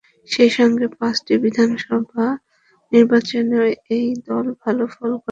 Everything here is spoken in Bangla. সেই সঙ্গে পাঁচটি বিধানসভা নির্বাচনেও এই দল ভাল ফল করে।